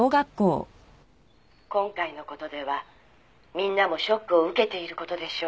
「今回の事ではみんなもショックを受けている事でしょう」